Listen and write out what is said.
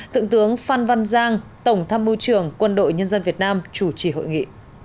thượng tướng phan văn giang tổng tham mưu trưởng quân đội nhân dân việt nam chủ trì hội nghị